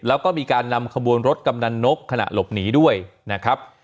แล้วก็มีการนำขบวนรถกำนันนกขณะหลบหนีด้วยนะครับ